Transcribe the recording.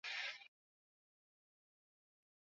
ilitungwa sheria ya beenki kuu ya tanzania